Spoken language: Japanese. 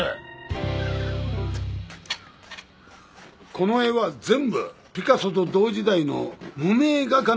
この絵は全部ピカソと同時代の無名画家の絵だ。